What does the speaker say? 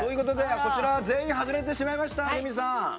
こちらは全員外れてしまいました、レミさん。